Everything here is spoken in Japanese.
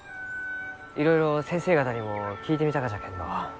いろいろ先生方にも聞いてみたがじゃけんど